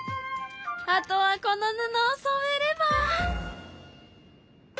あとはこの布をそめれば。